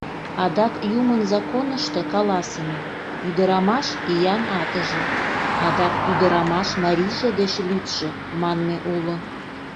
Адак юмын законышто каласыме: «Ӱдырамаш — иян атыже», адак «ӱдырамаш марийже деч лӱдшӧ» манме уло.